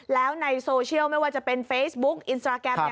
แล้วในโซเชียลไม่ว่าจะเป็นเฟซบุ๊กอินสตราแกรมเนี่ย